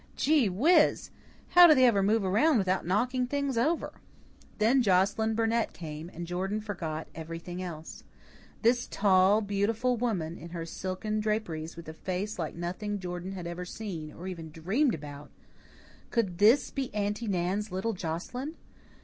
"Gee whiz! How do they ever move around without knocking things over?" Then Joscelyn Burnett came, and Jordan forgot everything else. This tall, beautiful woman, in her silken draperies, with a face like nothing Jordan had ever seen, or even dreamed about, could this be Aunty Nan's little Joscelyn?